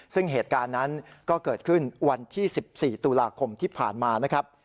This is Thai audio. ซึ่งเหตุการณ์นั้นก็เกิดขึ้นวันที่๑๔ตุลาคมที่ผ่านมานะครับ